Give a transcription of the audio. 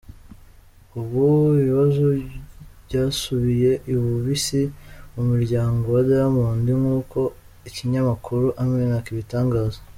Ubu, ibibazo byasubiye ibubisi mu muryango wa Diamond nk’uko ikinyamakuru Amani kibitangaza.